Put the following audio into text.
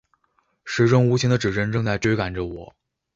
时钟无情的指针正在追赶着我